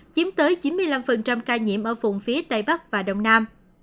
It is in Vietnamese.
chiếm tới chín mươi năm ca nhiễm ở vùng phía tây bắc và đông nam